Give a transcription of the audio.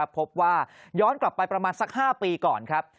พบว่าย้อนกลับไปประมาณสัก๕ปีก่อนครับ